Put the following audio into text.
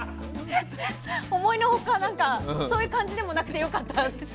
思いの外そういう感じでもなくて良かったです。